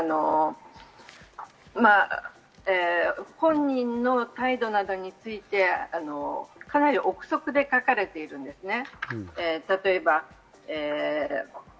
本人の態度などについてかなり臆測で書かれているんですね。